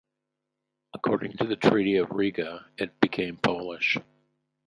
According to the Treaty of Riga, it became Polish.